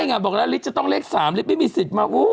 ใช่ไงบอกแล้วลิตรจะต้องเลข๓ไม่มีสิทธิ์มากโอ้โห